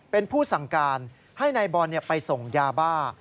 เป็นผู้สั่งการให้นายบอลไปส่งยาบ้า